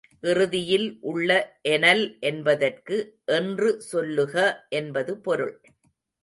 இறுதியில் உள்ள எனல் என்பதற்கு என்று சொல்லுக என்பது பொருள்.